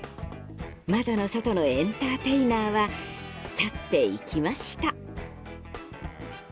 窓の外のエンターテイナーは去っていきました。